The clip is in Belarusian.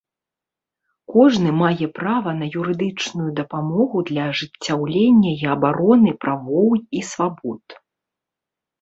Кожны мае права на юрыдычную дапамогу для ажыццяўлення і абароны правоў і свабод.